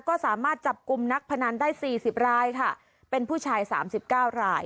ก็สามารถจับกลุ่มนักพนันได้๔๐รายค่ะเป็นผู้ชายสามสิบเก้าราย